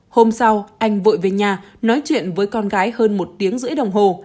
hôm sau anh vội về nhà nói chuyện với con gái hơn một tiếng rưỡi đồng hồ